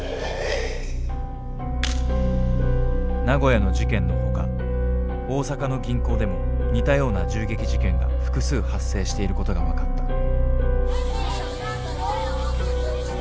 名古屋の事件のほか大阪の銀行でも似たような銃撃事件が複数発生している事が分かった